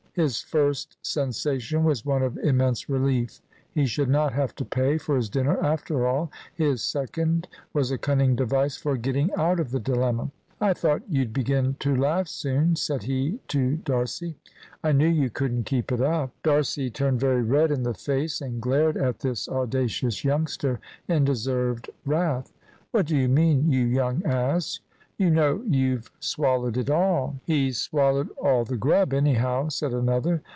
His first sensation was one of immense relief. He should not have to pay for his dinner after all! His second was a cunning device for getting out of the dilemma. "I thought you'd begin to laugh soon," said he to D'Arcy. "I knew you couldn't keep it up." D'Arcy turned very red in the face and glared at this audacious youngster in deserved wrath. "What do you mean, you young ass? You know you've swallowed it all." "He swallowed all the grub anyhow," said another.